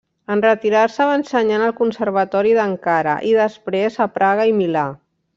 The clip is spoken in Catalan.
En retirar-se va ensenyar en el Conservatori d'Ankara, i després a Praga i Milà.